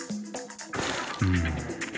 うん。